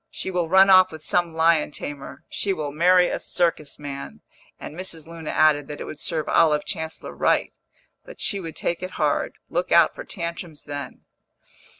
She will run off with some lion tamer; she will marry a circus man!" And Mrs. Luna added that it would serve Olive Chancellor right. But she would take it hard; look out for tantrums then!